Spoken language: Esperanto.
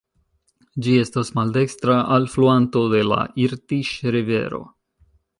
Ĝi estas maldekstra alfluanto de la Irtiŝ-rivero.